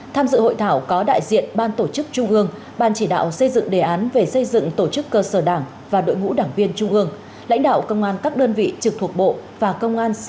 tham dự hội thảo có đại diện ban tổ chức trung ương ban chỉ đạo xây dựng đề án về xây dựng tổ chức cơ sở đảng và đội ngũ đảng viên trung ương lãnh đạo công an các đơn vị trực thuộc bộ và công an sáu mươi ba tỉnh thành phố